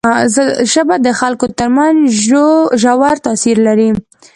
ژبه د خلکو تر منځ ژور تاثیر لري